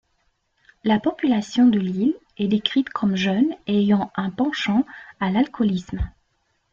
La population de l’île est décrite comme jeune et ayant un penchant à l’alcoolisme.